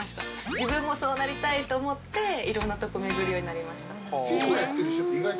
自分もそうなりたいと思っていろんなとこ巡るようになりました。